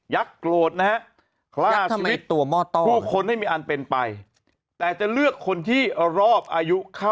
ยักษ์โกรธนะฮะค